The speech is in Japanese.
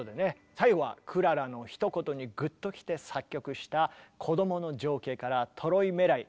最後はクララのひと言にグッときて作曲した「こどもの情景」から「トロイメライ」